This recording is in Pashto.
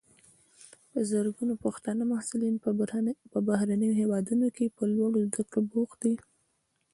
په زرګونو پښتانه محصلین په بهرنیو هیوادونو کې په لوړو زده کړو بوخت دي.